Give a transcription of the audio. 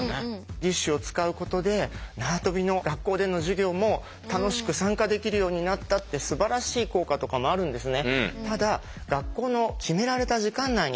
義手を使うことで縄跳びの学校での授業も楽しく参加できるようになったってすばらしい効果とかもあるんですね。